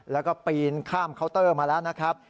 แล้วก็ปีนข้ามเคาน์เตอร์มาแล้วนะครับ